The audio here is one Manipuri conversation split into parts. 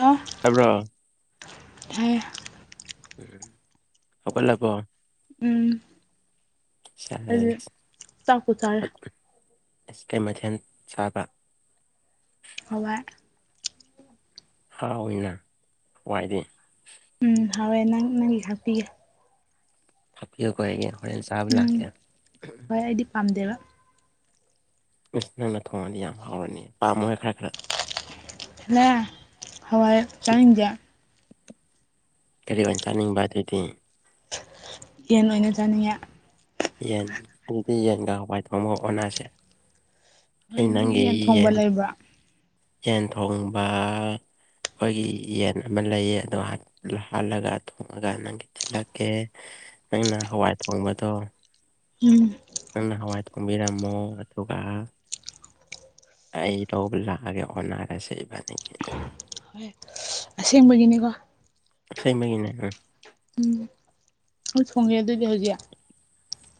ꯑꯣ ꯇꯥꯕ꯭ꯔꯣ ꯊꯥꯏ ꯍꯧꯒꯠꯂꯥꯕꯣ ꯎꯝ ꯁꯦꯁ ꯑꯩꯗꯤ ꯆꯥꯛꯄꯨ ꯆꯥꯔꯦ ꯑꯁ ꯀꯩ ꯃꯊꯦꯟ ꯆꯕꯔꯥ ꯍꯋꯥꯏ ꯍꯥꯎꯏꯅ ꯋꯥꯏꯗꯤ ꯎꯝ ꯍꯥꯎꯋꯦ ꯅꯪ ꯅꯪꯒꯤ ꯈꯥꯛꯄꯤꯒꯦ ꯍꯥꯞꯄꯤꯌꯨꯀꯣ ꯑꯩꯒꯤ ꯍꯣꯔꯦꯟ ꯆꯥꯕ ꯎꯝ ꯂꯥꯛꯀꯦ ꯍꯣꯏ ꯑꯩꯗꯤ ꯄꯥꯝꯗꯦꯕ ꯑꯁ ꯅꯪꯅ ꯊꯣꯡꯉꯗꯤ ꯌꯥꯝ ꯍꯥꯎꯔꯅꯤ ꯄꯥꯝꯃꯣꯍꯦ ꯈꯔ ꯈꯔ ꯍꯂ ꯍꯋꯥꯏ ꯆꯥꯅꯤꯡꯗꯦ ꯀꯔꯤ ꯑꯣꯏꯟ ꯆꯥꯅꯤꯡꯕ ꯑꯗꯨꯏꯗꯤ ꯌꯦꯟ ꯑꯣꯏꯅ ꯆꯥꯅꯤꯡꯉꯦ ꯌꯦꯟ ꯑꯗꯨꯗꯤ ꯌꯦꯟꯒ ꯍꯋꯥꯏ ꯊꯣꯡꯕꯒ ꯑꯣꯟꯅꯥꯁꯦ ꯑꯩ ꯍꯣꯏ ꯅꯪꯒꯤ ꯊꯣꯡꯕ ꯌꯦꯟ ꯂꯩꯕ꯭ꯔꯥ ꯌꯦꯟ ꯊꯣꯡꯕ ꯑꯩꯈꯣꯏꯒꯤ ꯌꯦꯟ ꯑꯃ ꯂꯩꯌꯦ ꯑꯗꯣ ꯍꯥ ꯍꯥꯜꯂꯒ ꯊꯣꯡꯉꯒ ꯅꯪꯒꯤ ꯊꯤꯜꯂꯛꯀꯦ ꯅꯪꯅ ꯍꯋꯥꯏ ꯊꯣꯡꯕꯗꯣ ꯎꯝ ꯅꯪꯅ ꯍꯋꯥꯏ ꯊꯣꯡꯕꯤꯔꯝꯃꯣ ꯑꯗꯨꯒ ꯑꯩ ꯂꯧꯕ ꯂꯥꯛꯑꯒꯦ ꯑꯣꯟꯅꯔꯁꯦ ꯏꯕꯅꯤ ꯍꯣꯏ ꯑꯁꯦꯡꯕꯒꯤꯅꯤꯀꯣ ꯏꯁꯦꯡꯕꯒꯤꯅꯦ ꯎꯝ ꯎꯝ ꯑꯩ ꯊꯣꯡ ꯒꯦ ꯑꯗꯨꯗꯤ ꯍꯧꯖꯤꯛ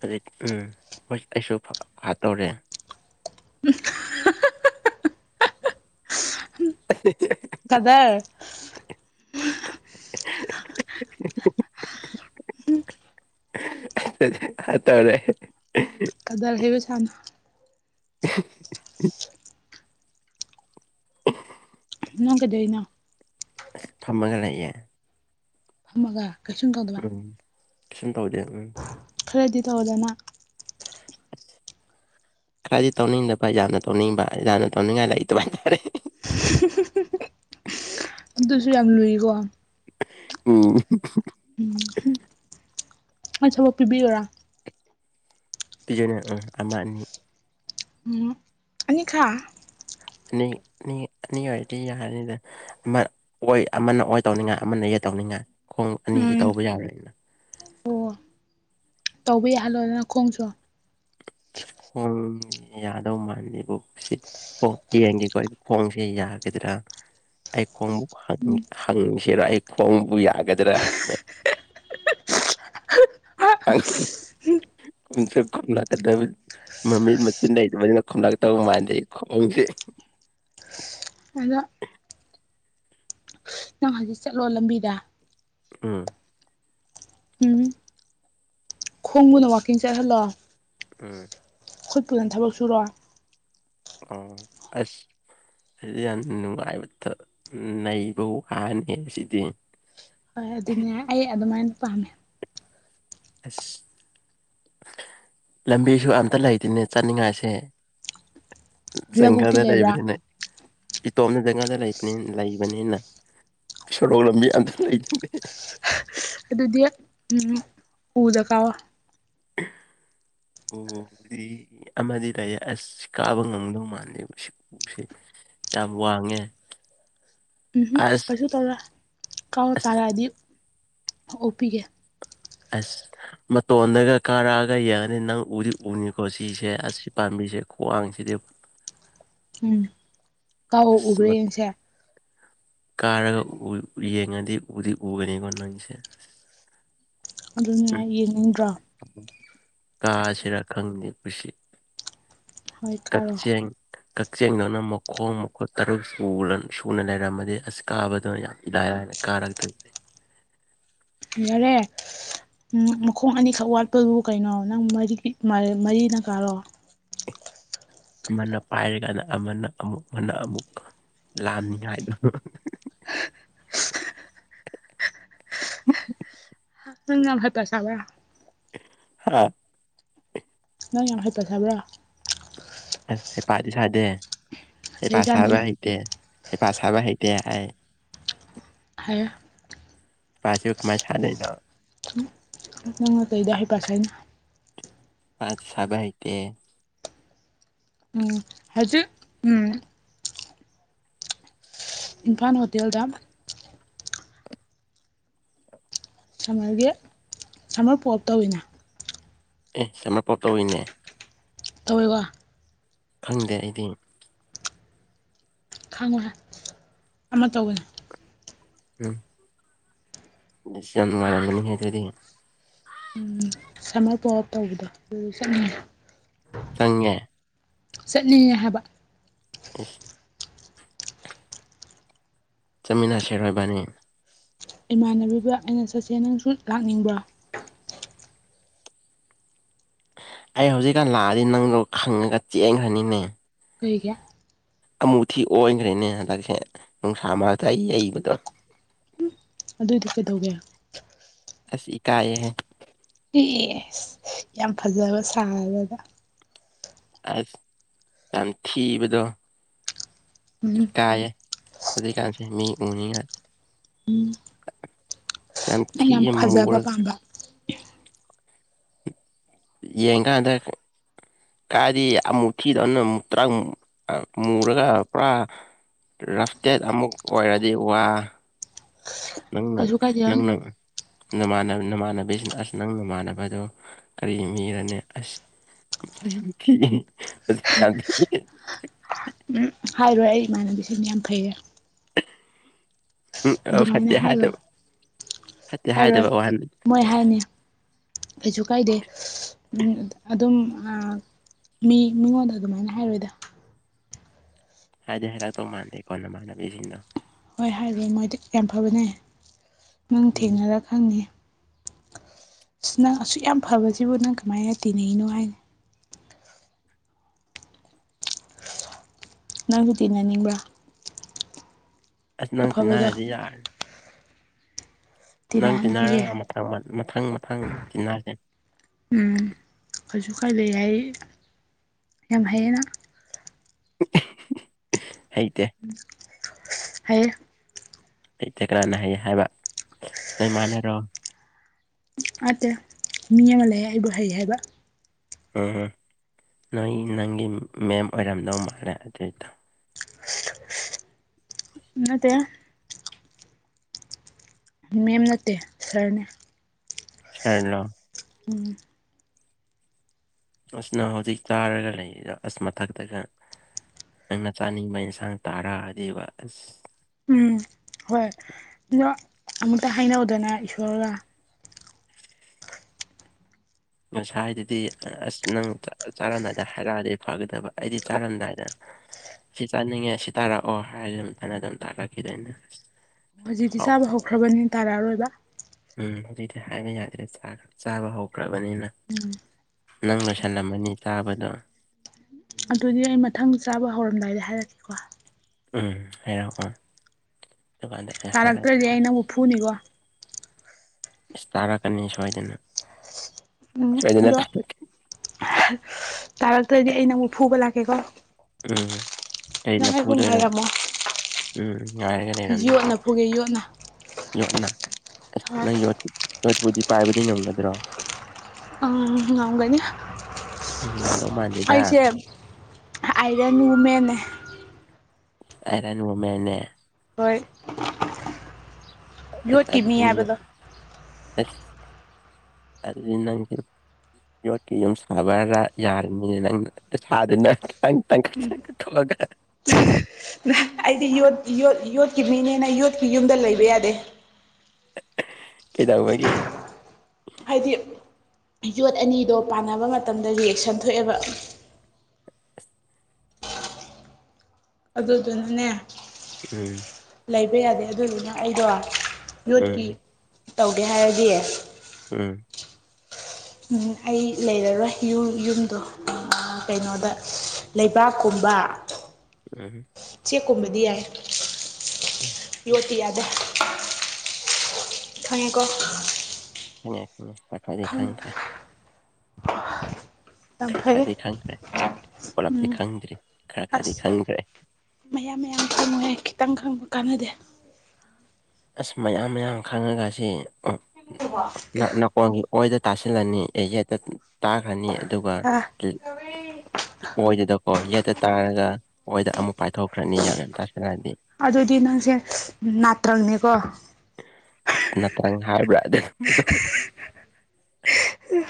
ꯍꯧꯖꯤꯛ ꯎꯝ ꯍꯣꯏ ꯑꯩꯁꯨ ꯐ ꯍꯥꯠꯇꯧꯔꯦ [unintelligible] ꯀꯗꯔ [unintelligible] ꯍꯥꯠꯇꯧꯔꯦ ꯑꯦ [unintelligible] ꯀꯗꯔ ꯍꯩꯕ ꯁꯥꯅꯨ [unintelligible] [unintelligible] ꯅꯪ ꯀꯩꯗꯩꯅꯣ ꯑꯁ ꯐꯝꯃꯒ ꯂꯩꯌꯦ ꯐꯝꯃꯒ ꯀꯩꯁꯨꯝ ꯇꯧꯗꯕ ꯎꯝ ꯀꯩꯁꯨꯝ ꯇꯧꯗꯦ ꯎꯝ ꯈꯔꯗꯤ ꯇꯧꯗꯅ [unintelligible] ꯈꯔꯗꯤ ꯇꯧꯅꯤꯡꯗꯕ ꯌꯥꯝ ꯇꯧꯅꯤꯡꯕ ꯌꯥꯝꯅ ꯇꯧꯅꯤꯡꯉꯥꯏ ꯂꯩꯗꯕ ꯇꯥꯔꯦ [unintelligible] ꯑꯗꯨꯁꯨ ꯌꯥꯝ ꯂꯨꯏꯀꯣ ꯎꯝ ꯎꯝ ꯃꯁꯕꯥꯎ ꯄꯤꯕꯤꯔꯔꯥ [inaudible] ꯄꯤꯒꯥ ꯅꯤ ꯑꯃ ꯑꯅꯤ ꯎꯝ ꯑꯅꯤ ꯈꯥ ꯅꯣꯏ ꯑꯅꯤ ꯑꯣꯏꯗꯤ ꯌꯥꯔꯅꯤꯗ ꯑꯃ ꯑꯣꯏ ꯑꯃꯅ ꯑꯣꯏ ꯇꯧꯅꯤꯡꯉꯥꯏ ꯑꯃꯅ ꯌꯦꯠ ꯇꯧꯅꯤꯡꯉꯥꯏ ꯈꯣꯡ ꯑꯅꯤꯗꯤ ꯎꯝ ꯇꯧꯕ ꯌꯥꯔꯣꯏꯅ ꯑꯣ ꯇꯧꯕ ꯌꯥꯍꯜꯂꯣꯗꯅ ꯈꯣꯡꯁꯨ ꯈꯣꯡ ꯌꯥꯗꯧ ꯃꯥꯜꯂꯦꯕꯨ ꯁꯤꯗꯤ ꯍꯣꯏ ꯌꯦꯡꯒꯦꯀꯣ ꯑꯩ ꯈꯣꯡꯁꯦ ꯌꯥꯒꯗ꯭ꯔꯥ ꯑꯩ ꯈꯣꯡꯕꯨ ꯎꯝ ꯍꯪꯁꯤꯔꯣ ꯑꯩ ꯈꯣꯡꯕꯨ ꯌꯥꯒꯗ꯭ꯔꯥ ꯁꯦ ꯀꯝꯗ [inaudible] ꯃꯃꯤ ꯃꯆꯨ ꯂꯩ ꯃꯗꯨꯅ ꯈꯝꯂꯛ ꯇꯧ ꯃꯥꯟꯗꯩ ꯈꯣꯡꯣꯡꯁꯦ [inaudible] ꯑꯗꯣ [unintelligible] ꯅꯪ ꯍꯧꯖꯤꯛ ꯆꯠꯂꯣ ꯂꯝꯕꯤꯗ ꯎꯝ ꯎꯝ ꯈꯣꯡꯕꯨꯅ ꯋꯥꯛꯀꯤꯡ ꯆꯠꯍꯜꯂꯣ ꯎꯝ ꯈꯨꯠꯇꯨꯅ ꯊꯕꯛ ꯁꯨꯔꯣ ꯑ ꯑꯁ ꯑꯩꯗꯤ ꯌꯥꯝ ꯅꯨꯡꯉꯥꯏꯕꯇ ꯅꯩꯕ ꯋꯥꯅꯦ ꯁꯤꯗꯤ ꯍꯣꯏ ꯑꯗꯨꯅꯦ ꯑꯩ ꯑꯗꯨꯃꯥꯏꯅ ꯄꯥꯝꯃꯦ ꯑꯁ ꯂꯝꯕꯤꯁꯨ ꯑꯝꯇ ꯂꯩꯇꯦꯅꯦ ꯆꯠꯅꯤꯡꯉꯥꯏꯁꯦ ꯂꯧꯕꯨꯛꯇꯤ ꯆꯪꯒꯜꯗ ꯂꯩꯕ꯭ꯔꯥ ꯂꯩꯕꯅꯤꯅ ꯏꯇꯣꯝꯅ ꯖꯪꯒꯜꯗ ꯂꯩꯕ ꯂꯩꯕꯅꯤꯅ ꯁꯣꯔꯣꯛ ꯂꯝꯕꯤ ꯑꯝꯇ ꯂꯩꯇꯦ ꯑꯗꯨꯗꯤ ꯎꯝ ꯎꯗ ꯀꯥꯎꯋꯣ [unintelligible] ꯑꯣꯗꯤ ꯑꯃꯗꯤ ꯂꯩꯌꯦ ꯑꯁ ꯀꯥꯕ ꯉꯝꯗꯧ ꯃꯥꯜꯇꯦ ꯎ ꯌꯥꯝ ꯋꯥꯡꯉꯦ ꯎꯝ ꯑꯁ ꯀꯩꯁꯨ ꯇꯧꯔꯣꯏ ꯀꯥꯎ ꯑꯁ ꯇꯥꯔꯛꯑꯗꯤ ꯑꯣꯛꯄꯤꯒꯦ ꯑꯁ ꯃꯇꯣꯟꯗꯒ ꯀꯥꯔꯛꯑꯒ ꯌꯦꯡꯉꯅꯤ ꯅꯪ ꯎꯗꯤ ꯎꯅꯤꯀꯣ ꯁꯤꯁꯦ ꯑꯁꯤ ꯄꯥꯝꯕꯤꯁꯦ ꯈ꯭ꯋꯥꯡꯁꯤꯗꯤ [unintelligible] ꯎꯝ ꯀꯥꯎ ꯑꯁ ꯎꯕ꯭ꯔꯦ ꯃ ꯌꯦꯡꯁꯦ ꯀꯥꯔꯒ ꯌꯦꯡꯉꯗꯤ ꯎꯗꯤ ꯎꯒꯅꯤꯀꯣ ꯅꯪꯁꯦ ꯑꯗꯨꯅꯦ ꯎꯝ ꯌꯦꯡꯅꯤꯡꯇꯔ꯭ꯣ ꯀꯥꯁꯤꯔꯥ ꯈꯪꯅꯤ ꯄꯨꯁꯤ ꯍꯣꯏ ꯀꯥꯔꯣ ꯀꯛꯆꯦꯡ ꯀꯛꯆꯦꯡꯗꯧꯅ ꯃꯈꯣꯡ ꯃꯈꯨꯠ ꯇꯔꯨꯛ ꯁꯨꯅ ꯂꯩꯔꯝꯃꯗꯤ ꯑꯁ ꯀꯥꯕꯗꯨꯅ ꯌꯥꯝ ꯅꯥꯏ ꯍꯥꯏꯔꯦ ꯀꯔꯝꯗꯤ ꯌꯥꯔꯦ ꯎ ꯃꯈꯣꯡ ꯑꯅꯤꯈꯛ ꯋꯥꯠꯄꯗꯨꯕꯨ ꯀꯩꯅꯣ ꯅꯪ ꯃꯔꯤ ꯃꯔꯤꯅ ꯀꯥꯔꯣ ꯑꯃꯅ ꯄꯥꯏꯔꯀꯥꯟꯗ ꯑꯃꯅ ꯑꯃꯨꯛ ꯑꯃꯅ ꯑꯃꯨꯛ ꯂꯥꯅꯤꯉꯥꯏꯗꯣ [unintelligible] ꯅꯪ ꯌꯥꯝ ꯍꯩꯄꯥ ꯁꯥꯕ꯭ꯔ ꯍꯥ ꯅꯪ ꯌꯥꯝꯈꯩ ꯐꯖꯕ꯭ꯔꯥ ꯑꯁ ꯍꯩꯄꯥꯗꯤ ꯁꯥꯗꯦ ꯍꯩꯄꯥꯠ ꯐꯖꯩꯖꯥꯠꯅꯤ ꯁꯥꯕ ꯍꯩꯇꯦ ꯍꯩꯐ ꯁꯥꯕ ꯍꯩꯇꯦ ꯑꯩ ꯍꯥꯏ ꯄꯆ ꯎꯛ ꯃꯥꯁꯗꯅ ꯅꯪꯅꯇꯩꯗꯤ ꯍꯩ ꯄꯠ ꯍꯥꯏꯅ ꯄ ꯁꯕ ꯍꯥꯏꯇꯦ ꯎꯝ ꯍꯥꯏꯗꯤꯦ ꯎꯝ ꯏꯝꯐꯥꯜ ꯍꯣꯇꯦꯜꯗ ꯁꯝꯃꯔꯒꯤ ꯁꯝꯃꯔ ꯄꯣꯞ ꯇꯧꯋꯤꯅ ꯑꯦ ꯁꯅꯄꯣ ꯇꯧꯔꯤꯅꯦ ꯇꯧꯔꯤꯕ ꯈꯪꯗꯦ ꯑꯩꯗꯤ ꯈꯥꯡꯉꯔꯥ ꯑꯃ ꯇꯧꯒꯅꯤ ꯎꯝ ꯗꯤꯁꯋꯥꯔꯅꯅꯤ ꯍꯥꯏꯗꯤ ꯎꯝ ꯁꯝꯃꯔ ꯄꯣ ꯑꯞ ꯇꯧꯕꯗꯣ ꯑꯗꯨ ꯆꯠꯅꯤꯡꯉꯤ ꯆꯪꯉꯦ ꯆꯠꯅꯤꯡꯉꯦ ꯍꯥꯏꯕ ꯀꯁ ꯆꯥꯃꯤꯟꯅꯁꯦꯔꯣꯏꯕꯅꯤ ꯏꯃꯥꯟꯅꯕꯤꯕ ꯑꯩꯅ ꯆꯠꯁꯦ ꯅꯪꯁꯨ ꯂꯥꯛꯅꯤꯡꯕ꯭ꯔꯣ ꯑꯩ ꯍꯧꯖꯤꯛꯀꯥꯟ ꯂꯥꯛꯑꯗꯤ ꯅꯪꯗꯣ ꯈꯪꯉꯒ ꯆꯦꯟꯈ꯭ꯔꯅꯤꯅꯦ ꯀꯒꯦ ꯑꯃꯨ ꯊꯤ ꯑꯣꯟꯈ꯭ꯔꯦꯅꯦ ꯍꯟꯗꯛꯁꯦ ꯅꯨꯡꯁꯥ ꯃꯔꯛꯇ ꯑꯩ ꯌꯩꯕꯗꯣ ꯑꯗꯨꯑꯣꯏꯗꯤ ꯀꯩꯗꯧꯒꯦ ꯑꯁꯤꯁ ꯏꯀꯥꯏꯑ ꯍꯥꯏ ꯑꯦ ꯑꯦ ꯌꯥꯝ ꯐꯖꯕ ꯁꯥꯔꯕꯗ ꯑꯁ ꯀꯟꯊꯤꯕꯗꯣ ꯎꯝ ꯇꯑꯦ ꯑꯗꯨꯛ ꯀꯥꯟꯁꯦ ꯃꯤ ꯎꯅꯤꯡꯅ ꯅ ꯌꯥꯝ ꯊꯤꯌꯦ ꯐꯖꯕ ꯃꯨꯔ ꯄꯥꯝꯕ ꯌꯦꯡ ꯀꯥꯟꯗ ꯀꯗꯤ ꯑꯃꯨꯛ ꯊꯤꯗꯧꯅ ꯑꯃꯨꯛ ꯇꯔꯥꯛ ꯃꯨꯔꯒ ꯄꯨꯔꯥ ꯔꯐꯇꯦꯠ ꯑꯃꯨꯛ ꯑꯣꯏꯔꯗꯤ ꯋꯥ ꯂꯪꯅ ꯀꯩꯁꯨ ꯀꯥꯏꯗꯦ ꯎꯝ ꯂꯪꯅ ꯥꯟ ꯅꯃꯥꯟꯅꯕꯤꯁꯤꯅ ꯑꯁ ꯅꯪ ꯅꯃꯥꯟꯅꯕꯗꯣ ꯀꯔꯤ ꯃꯤꯔꯅꯤ ꯑꯁ ꯉꯁꯁ ꯍꯥꯏꯔꯣꯏ ꯑꯩ ꯏꯃꯥꯟꯅꯕꯤꯁꯤꯅ ꯌꯥꯝ ꯐꯩꯌꯦ ꯎꯝ ꯑ ꯑꯗꯨꯃꯥꯏꯅ ꯐꯠꯇꯦ ꯍꯥꯏꯔꯣꯏ ꯍꯥꯏꯗꯕ ꯐꯠꯇꯦ ꯍꯥꯏꯔꯣꯏ ꯍꯥꯏꯗꯕ ꯑꯍꯟꯕꯅꯤ ꯃꯣꯏ ꯍꯥꯏꯅꯤ ꯀꯁꯨ ꯀꯥꯏꯗꯦ ꯑꯗꯨꯝ ꯃꯤ ꯃꯤꯉꯣꯟꯗ ꯑꯗꯨꯃꯥꯏꯅ ꯍꯥꯏꯔꯣꯏꯗ ꯍꯥꯏꯗꯤ ꯍꯥꯏꯔꯛꯇꯧ ꯃꯥꯟꯗꯦꯀꯣ ꯅꯃꯥꯟꯅꯕꯤꯁꯤꯡꯗꯣ ꯍꯣꯏ ꯍꯥꯏꯔ ꯃꯣꯏꯗꯤ ꯌꯥꯝ ꯐꯕꯅꯦ ꯅꯪ ꯎꯝ ꯊꯦꯡꯅꯔ ꯈꯪꯅꯤ ꯑ ꯅꯪ ꯑꯁꯨꯛ ꯌꯥꯝ ꯐꯕꯁꯤꯕꯨ ꯅꯪ ꯀꯃꯥꯏꯅ ꯇꯤꯟꯅꯅꯣ ꯍꯥꯏꯅ ꯅꯪꯁꯨ ꯇꯤꯟꯅꯅꯤꯡꯕ꯭ꯔꯥ ꯑꯁ ꯅꯪ ꯑꯐꯕꯗꯣ ꯇꯤꯟꯅꯅꯥꯔꯗꯤ ꯌꯥꯔꯅꯤ ꯅꯪ ꯇꯤꯟꯅꯔ ꯇꯤꯟꯅꯍꯟꯕꯤꯒꯦ ꯃꯊꯪ ꯃꯊꯪ ꯃꯊꯪ ꯇꯤꯟꯅꯒꯦ ꯎꯝ ꯀꯩꯁꯨ ꯀꯥꯏ ꯂꯩ ꯍꯥꯏ ꯌꯥꯝ ꯍꯩꯌꯦꯅ ꯍꯩꯇꯦ ꯍꯥꯏꯌꯦ ꯑꯩꯇꯦ ꯀꯅꯥꯥꯅ ꯍꯩꯌꯦ ꯍꯥꯏꯕ ꯅꯣꯏ ꯃꯥꯟꯅꯔꯣ ꯅꯠꯇꯦ ꯃꯤ ꯑꯃ ꯂꯩꯌꯦ ꯑꯩꯕꯨ ꯍꯩ ꯍꯥꯏꯕ ꯎꯝ ꯅꯣꯏ ꯅꯪꯒꯤ ꯃꯦꯝ ꯑꯣꯏꯔꯝꯗꯧ ꯃꯥꯂꯦ ꯑꯗꯨꯏꯗꯣ ꯅꯠꯇꯦ ꯃꯦꯝ ꯅꯠꯇꯦ ꯁꯥꯔꯅꯦ ꯁꯥꯔꯂꯣ ꯎꯝ ꯑꯁ ꯅꯪ ꯍꯧꯖꯤꯛ ꯆꯥꯔꯒ ꯂꯩꯔꯤꯗꯣ ꯑꯁ ꯃꯊꯛꯇꯒ ꯅꯪ ꯆꯥꯅꯤꯡꯕ ꯏꯟꯁꯥꯡ ꯇꯥꯔꯥꯛꯑꯗꯤꯕ ꯑꯁ ꯎꯝ ꯍꯣꯏ ꯑꯗꯣ ꯑꯃꯨꯛꯇ ꯍꯥꯏꯅꯧꯗꯅ ꯏꯁꯣꯔꯒ ꯉꯁꯥꯏꯗꯨꯗꯤ ꯑꯁ ꯅꯪ ꯆꯥꯔꯝꯗꯥꯏꯗ ꯍꯥꯏꯔꯛꯑꯗꯤ ꯐꯒꯗꯕ ꯑꯩꯗꯤ ꯆꯥꯔꯝꯗꯥꯏꯗꯅ ꯁꯤ ꯆꯥꯅꯤꯡꯉꯦ ꯁꯤ ꯇꯥꯔꯛꯑꯣ ꯍꯥꯏꯔꯗꯤ ꯑꯗꯨꯝ [unintelligible] ꯇꯥꯔꯛꯈꯤꯗꯣꯏꯅꯦ ꯑꯁ ꯑꯣ ꯍꯧꯖꯤꯛꯇꯤ ꯆꯥꯕ ꯍꯧꯈ꯭ꯔꯕꯅꯤꯅ ꯇꯥꯔꯛꯑꯔꯣꯏꯕ ꯎꯝ ꯍꯧꯖꯤꯛꯇꯤ ꯍꯥꯏꯕ ꯌꯥꯗ꯭ꯔꯦ ꯆꯥꯛ ꯆꯥꯕ ꯍꯧꯈ꯭ꯔꯕꯅꯤꯅ ꯎꯝ ꯅꯪ ꯂꯣꯏꯁꯜꯂꯝꯃꯅꯤ ꯆꯥꯕꯗꯣ ꯑꯗꯨꯗꯤ ꯑꯩ ꯃꯊꯪ ꯆꯥꯕ ꯍꯧꯔꯝꯗꯥꯏꯗ ꯍꯥꯏꯔꯛꯀꯦꯀꯣ ꯎꯝ ꯍꯥꯏꯔꯛꯑꯣ ꯑꯗꯨꯀꯥꯟꯗ ꯑꯩ ꯍꯥꯏꯔꯛꯀꯦ ꯇꯥꯔꯛꯇ꯭ꯔꯗꯤ ꯑꯩ ꯅꯪꯕꯨ ꯐꯨꯅꯤꯀꯣ ꯏꯁ ꯇꯥꯔꯛꯀꯅꯤ ꯁꯣꯏꯗꯅ ꯎꯝ ꯁꯣꯏꯗꯅ ꯑꯗꯣ ꯇꯥꯔꯛꯀꯅꯤ ꯇꯥꯔꯛꯇ꯭ꯔꯗꯤ ꯑꯩ ꯅꯪꯕꯨ ꯐꯨꯕ ꯂꯥꯛꯀꯦꯀꯣ ꯎꯝ ꯀꯩꯅ ꯅꯪ ꯑꯩꯕꯨ ꯐꯨꯗꯣꯏꯅꯣ ꯉꯥꯏꯔꯝꯃꯣ ꯎꯝ ꯉꯥꯏꯔꯒ ꯂꯩꯔꯝꯗꯣꯏꯅꯦ ꯌꯣꯠꯅ ꯐꯨꯒꯦ ꯌꯣꯠꯅ ꯌꯣꯠꯅ ꯑꯁ ꯍꯣꯏ ꯅꯪ ꯌꯣꯠ ꯌꯣꯠꯄꯨꯗꯤ ꯄꯥꯏꯕꯗꯤ ꯉꯝꯒꯗ꯭ꯔꯣ ꯑ ꯉꯝꯒꯅꯤ ꯎꯝ ꯉꯝꯗꯧ ꯃꯥꯟꯗꯦꯗ ꯑꯩꯁꯦ ꯑꯥꯏꯔꯟ ꯋꯨꯃꯦꯟꯅꯦ ꯑꯥꯏꯔꯟ ꯋꯨꯃꯦꯟꯅꯦ ꯍꯣꯏ ꯑꯁ ꯌꯣꯠꯀꯤ ꯃꯤ ꯑꯗꯨꯗꯤ ꯍꯥꯏꯕꯗꯣ ꯑꯁ ꯑꯗꯨꯗꯤ ꯅꯪꯁꯦ ꯌꯣꯠꯀꯤ ꯌꯨꯝ ꯁꯥꯕꯔꯥ ꯌꯥꯔꯅꯤ ꯅꯪꯅ ꯁꯥꯗꯅ [unintelligible] ꯊꯣꯛꯑꯒ ꯑꯩꯗꯤ ꯌꯣꯠ ꯌꯠ ꯌꯣꯠꯀꯤ ꯃꯤꯅꯦꯅ ꯌꯣꯠꯀꯤ ꯌꯨꯝꯗ ꯂꯩꯕ ꯌꯥꯗꯦ ꯀꯩꯗꯧꯕꯒꯤ ꯍꯥꯏꯗꯤ ꯌꯣꯠ ꯑꯅꯤꯗꯣ ꯄꯥꯟꯅꯕ ꯃꯇꯝꯗ ꯔꯤꯌꯦꯛꯁꯟ ꯊꯣꯛꯑꯦꯕ ꯑꯗꯨꯗꯨꯅꯅꯦ ꯎꯝ ꯂꯩꯕ ꯌꯥꯗꯦ ꯑꯗꯨꯗꯨꯅ ꯑꯩꯗꯣ ꯎꯝ ꯌꯣꯠꯀꯤ ꯇꯧꯒꯦ ꯍꯥꯏꯔꯗꯤ ꯎꯝ ꯎꯝ ꯑꯩ ꯂꯩꯔꯔꯣꯏ ꯌꯨ ꯌꯨꯝꯗꯣ ꯀꯩꯅꯣꯗ ꯂꯩꯕꯥꯛꯀꯨꯝꯕ ꯎꯝ ꯆꯦꯛꯀꯨꯝꯕꯗꯤ ꯌꯥꯏ ꯌꯣꯠꯇꯤ ꯌꯥꯗꯦ ꯈꯪꯉꯦꯀꯣ ꯈꯪꯉꯉꯦ ꯈꯪꯉꯦ [unintelligible] ꯈꯪꯈ꯭ꯔꯦ ꯌꯥꯝ ꯈꯔ ꯐꯩ ꯈꯔꯗꯤ ꯈꯪꯈ꯭ꯔꯦ ꯄꯨꯂꯞꯗꯤ ꯎꯝ ꯈꯪꯗ꯭ꯔꯤ ꯈꯔ ꯈꯔꯗꯤ ꯑꯁ ꯈꯪꯗ꯭ꯔꯦ ꯃꯌꯥꯝ ꯃꯌꯥꯝ ꯈꯪꯉꯨꯍꯦ ꯈꯤꯇꯪ ꯈꯪꯕ ꯀꯥꯟꯅꯗꯦ ꯑꯁ ꯃꯌꯥꯝ ꯃꯌꯥꯝ ꯈꯪꯉꯒ ꯁꯤ ꯅꯅꯥꯀꯣꯡꯒꯤ ꯑꯣꯏꯗ ꯇꯥꯁꯤꯜꯂꯅꯤ ꯑꯩ ꯌꯦꯠꯇ ꯇꯥꯈ꯭ꯔꯅꯤ ꯑꯗꯨꯒ ꯑꯥ ꯑꯣꯏꯗꯨꯗꯀꯣ ꯌꯦꯠꯇ ꯇꯥꯔꯒ ꯑꯣꯏꯗ ꯑꯃꯨꯛ ꯄꯥꯏꯊꯣꯛꯈ꯭ꯔꯅꯤ ꯌꯥꯝ ꯌꯥꯝ ꯇꯥꯁꯤꯜꯂꯗꯤ ꯑꯗꯨꯗꯤ ꯅꯪꯁꯦ ꯅꯥꯇ꯭ꯔꯪꯅꯦꯀꯣ ꯅꯠꯇꯪ ꯍꯥꯏꯕ꯭ꯔꯥ ꯑꯗꯨ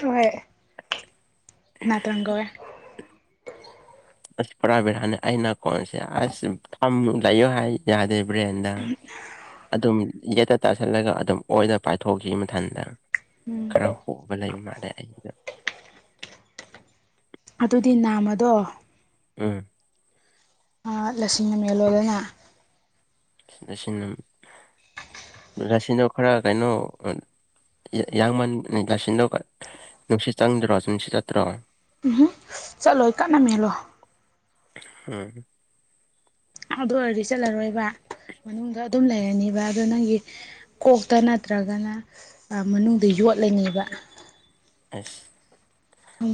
ꯍꯣꯏ ꯅꯥꯠꯇꯔꯪ ꯒꯧꯋꯦ ꯑꯁ ꯄꯨꯔꯥꯕꯤꯔꯥꯅꯤ ꯑꯩꯅ ꯀꯣꯟꯁꯦ ꯑꯁ ꯊ ꯂꯩꯌꯣ ꯍꯥꯏ ꯌꯥꯗꯦ ꯕ꯭ꯔꯦꯟꯗ ꯑꯗꯨꯝ ꯌꯦꯠꯇ ꯇꯥꯥꯁꯜꯂꯒ ꯑꯗꯨꯝ ꯑꯣꯏꯅ ꯄꯥꯏꯊꯣꯛꯈꯤ ꯃꯊꯟꯇ ꯈꯔ ꯍꯣꯕ ꯂꯩꯕ ꯃꯥꯜꯂꯦ ꯑꯩꯩꯅ ꯑꯗꯨꯗꯤ ꯅꯥꯝꯃꯗꯣ ꯎꯝ ꯂꯤꯁꯤꯡꯅ ꯃꯦꯜꯂꯣꯗꯅ ꯉꯁꯤꯗꯣ ꯈꯔ ꯀꯩꯅꯣ ꯂꯁꯤꯡꯗꯣ ꯌꯥꯥꯁꯤꯗꯧ ꯅꯨꯡꯁꯤꯠ ꯆꯪꯗ꯭ꯔꯣ ꯅꯨꯡꯁꯤꯠ ꯆꯠꯇ꯭ꯔꯣ ꯎꯝꯍꯨꯝ ꯆꯠꯂꯣꯏ ꯀꯠꯅ ꯃꯦꯜꯂꯣ ꯑꯝ ꯑꯗꯨ ꯑꯣꯏꯔꯗꯤ ꯆꯠꯂꯔꯣꯏꯕ ꯃꯅꯨꯡꯗ ꯑꯗꯨꯝ ꯂꯩꯔꯅꯤꯕ ꯑꯗꯣ ꯅꯪꯒꯤ ꯀꯣꯛꯇ ꯅꯠꯇ꯭ꯔꯒꯅ ꯃꯅꯨꯡꯗ ꯌꯣꯠ ꯂꯩꯅꯦꯕ ꯑꯁ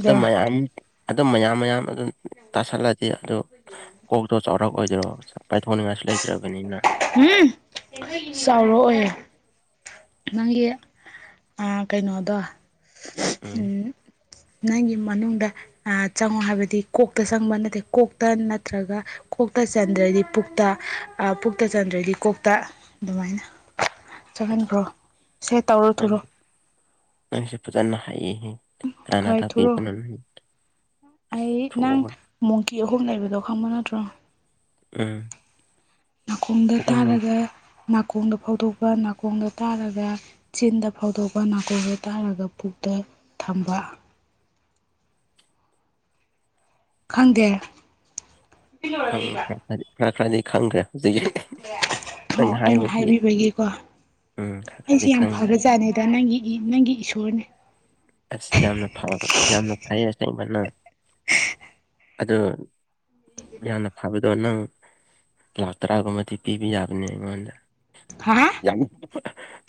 ꯑꯗꯨ ꯃꯌꯥꯝ ꯑꯗꯨꯝ ꯃꯌꯥꯝ ꯃꯌꯥꯝ ꯑꯗꯨꯝ ꯇꯥꯁꯜꯂꯗꯤ ꯑꯗꯨ ꯑꯣꯛꯇꯣ ꯆꯥꯎꯔꯛꯑꯣꯏꯗꯔꯣ ꯄꯥꯏꯊꯣꯛꯅꯤꯡꯉꯥꯏꯁꯨ ꯂꯩꯇ꯭ꯔꯕꯅꯤꯅ ꯎꯝ ꯆꯥꯎꯔꯛꯑꯣꯏꯌꯦ ꯅꯪꯒꯤ ꯑ ꯀꯩꯅꯣꯗꯣ ꯎꯝ ꯅꯪꯒꯤ ꯃꯅꯨꯡꯗ ꯑ ꯆꯪꯉꯣ ꯍꯥꯏꯕꯗꯤ ꯀꯣꯛꯇ ꯆꯪꯕ ꯅꯠꯇꯦ ꯀꯣꯛꯇ ꯅꯠꯇ꯭ꯔꯒ ꯀꯣꯛꯇ ꯆꯟꯗ꯭ꯔꯗꯤ ꯄꯨꯛꯇ ꯑ ꯄꯨꯛꯇ ꯆꯟꯗ꯭ꯔꯗꯤ ꯀꯣꯛꯇ ꯑꯗꯨꯃꯥꯏꯅ ꯑꯁ ꯆꯪꯍꯟꯈ꯭ꯔꯣ ꯁꯦ ꯇꯧꯔꯣ ꯊꯨꯔꯣ ꯅꯪꯁꯦ ꯅꯪꯁꯦ ꯐꯖꯅ ꯍꯩꯍꯦ ꯀꯅꯥꯅ ꯍꯣꯏ ꯊꯨꯔꯣ ꯇꯝꯕꯤꯕꯅꯣ ꯑꯩ ꯅꯪ ꯃꯣꯡꯀꯤ ꯑꯍꯨꯝ ꯂꯩꯕꯗꯣ ꯈꯪꯕ ꯅꯠꯇ꯭ꯔꯣ ꯎꯝ ꯅꯥꯀꯣꯡꯗ ꯑꯗꯨꯃꯨꯛ ꯇꯥꯔꯒ ꯅꯥꯀꯣꯡꯗ ꯐꯥꯎꯗꯣꯛꯄ ꯅꯥꯀꯣꯡꯗ ꯇꯥꯔꯒ ꯆꯤꯟꯗ ꯐꯥꯎꯗꯣꯛꯄ ꯅꯥꯀꯣꯡꯗ ꯇꯥꯔꯒ ꯄꯨꯛꯇ ꯊꯝꯕ ꯈꯪꯗꯦ ꯈꯪꯗꯦ ꯈꯔ ꯈꯔꯗꯤ ꯈꯪꯈ꯭ꯔꯦ ꯑꯗꯨꯒꯤ ꯑꯣ ꯑꯩꯅ ꯍꯥꯏꯕꯤꯕꯒꯤꯀꯣ ꯎꯝ ꯈꯔ ꯑꯩꯁꯦ ꯈꯔꯗꯤ ꯌꯥꯝ ꯈꯪꯈ꯭ꯔꯦ ꯐꯕꯖꯥꯠꯅꯤꯗ ꯅꯪꯒꯤ ꯅꯪꯒꯤ ꯏꯁꯣꯔꯅꯦ ꯑꯁ ꯌꯥꯝꯅ ꯐ ꯌꯥꯝꯅ ꯐꯩꯌꯦ ꯑꯁꯦꯡꯕ ꯅꯪ ꯑꯗꯨ ꯌꯥꯝꯅ ꯐꯕꯗꯣ ꯅꯪ ꯂꯥꯛ ꯇꯔꯥꯒꯨꯝꯕꯗꯤ ꯄꯤꯕ ꯌꯥꯕꯅꯦ ꯑꯩꯉꯣꯟꯗ ꯍꯥ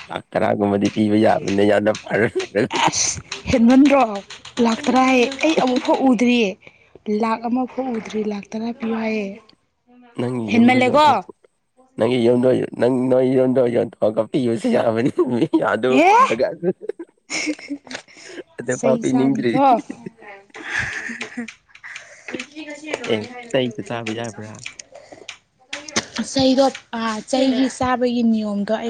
ꯂꯥꯛ ꯂꯥꯔꯥꯒꯨꯝꯕꯗꯤ ꯄꯤꯕ ꯌꯥꯕꯅꯦ ꯌꯥꯝꯅ ꯐꯔꯦ ꯑꯁ ꯍꯦꯟꯃꯟꯗ꯭ꯔꯣ ꯂꯥꯛ ꯇꯔꯥ ꯍꯥꯏꯌꯦ ꯑꯩ ꯑꯃꯨꯛꯐꯥꯎ ꯎꯗ꯭ꯔꯤ ꯂꯥꯛ ꯑꯃ ꯐꯥꯎ ꯎꯗ꯭ꯔꯤ ꯂꯥꯛ ꯇꯔꯥ ꯄꯤꯌꯨ ꯍꯥꯏꯌꯦ ꯅꯪꯒꯤ ꯌꯨꯝꯗꯣ ꯍꯦꯟꯃꯜꯂꯦꯀꯣ ꯌꯣꯟꯊꯣꯛꯄ ꯅꯪꯒꯤ ꯌꯨꯝꯗꯣ ꯅꯪ ꯅꯣꯏ ꯌꯨꯝꯗꯣ ꯌꯣꯟꯊꯣꯛꯑꯒ ꯄꯤꯕꯁꯨ ꯌꯥꯕꯅꯤ ꯌꯥꯗꯣ ꯑꯦ ꯄꯔꯒ [inaudible] ꯆꯩ ꯄꯤꯅꯤꯡꯗ꯭ꯔꯤ ꯆꯥꯅꯤꯀꯣ [inaudible] ꯑꯦ ꯇꯩꯗ ꯇꯥꯕ ꯌꯥꯕ꯭ꯔꯥ ꯆꯩꯗꯣ ꯑ ꯆꯩꯒꯤ ꯆꯥꯕꯒꯤ ꯅꯤꯌꯣꯝꯗꯣ ꯑꯩ